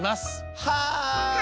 はい！